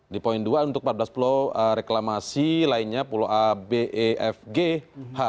di poin dua untuk empat belas pulau reklamasi lainnya pulau a b e f g h